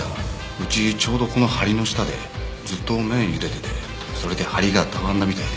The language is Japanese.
うちちょうどこの梁の下でずっと麺ゆでててそれで梁がたわんだみたいで。